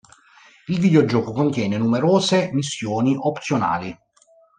Il videogioco contiene numerose missioni opzionali.